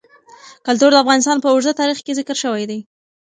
کلتور د افغانستان په اوږده تاریخ کې ذکر شوی دی.